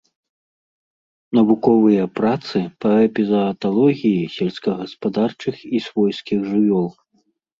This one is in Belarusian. Навуковыя працы па эпізааталогіі сельскагаспадарчых і свойскіх жывёл.